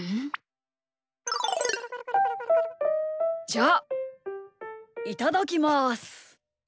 じゃあいただきます！